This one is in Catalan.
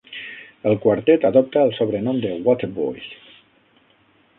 El quartet adopta el sobrenom de "waterboys".